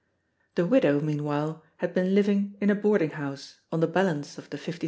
The widow, meanwhile, had been living in a boarding house on the balance of the £57 8^.